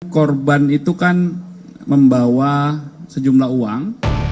korban itu kan membawa sejumlah uang